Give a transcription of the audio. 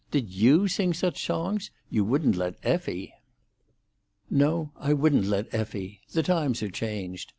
Did you sing such songs? You wouldn't let Effie!" "No, I wouldn't let Effie. The times are changed.